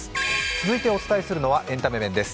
続いてお伝えするのはエンタメ面です。